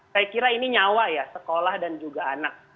saya kira ini nyawa ya sekolah dan juga anak